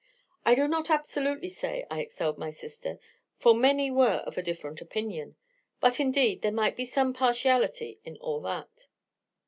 I do not absolutely say I excelled my sister, for many were of a different opinion; but, indeed, there might be some partiality in all that.